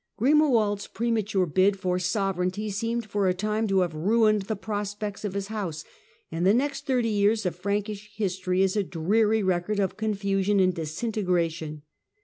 Grimoald's premature bid for sovereignty seemed for a time to have ruined the prospects of his house, and the next thirty years of Frankish history is a dreary record of confusion and disintegration.